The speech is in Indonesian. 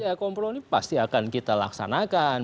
ya kompromi pasti akan kita laksanakan